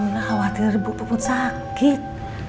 gak khawatir bu puput sakit